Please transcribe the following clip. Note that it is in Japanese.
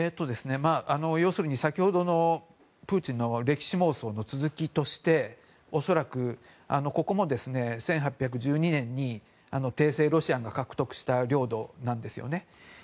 要するに先ほどのプーチンの歴史妄想の続きとして、恐らくここも１８１２年に帝政ロシアが獲得した領土なんですよね。